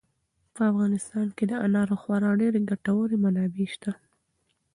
په افغانستان کې د انارو خورا ډېرې او ګټورې منابع شته.